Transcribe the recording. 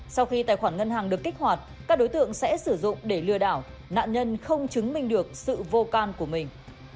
sau khi tài khoản ngân hàng được kích hoạt các đối tượng sẽ sử dụng để lừa đảo nạn nhân không chứng minh được sự vô can của mình